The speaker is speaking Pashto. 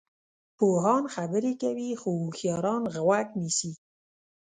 پوهان خبرې کوي خو هوښیاران غوږ نیسي.